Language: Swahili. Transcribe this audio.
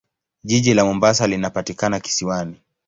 Jiji la Mombasa linapatikana kisiwani.